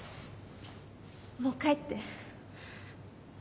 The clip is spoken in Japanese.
もう帰って。